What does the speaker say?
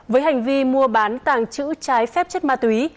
với hành vi mua bán tàng trữ trái phép chất ma túy